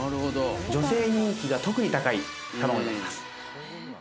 女性人気が特に高い卵になります。